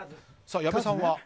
矢部さんは？